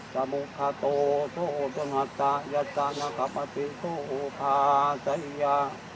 สัมโฆตาการโอโตเยาว์จนหัวสัพยัชโฆในกับมศทิโฆภาทัยะ